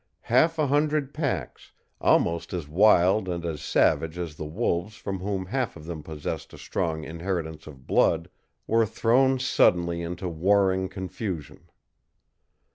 Half a hundred packs, almost as wild and as savage as the wolves from whom half of them possessed a strong inheritance of blood, were thrown suddenly into warring confusion.